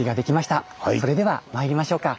それではまいりましょうか。